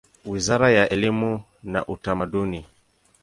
Wizara ya elimu na Utamaduni.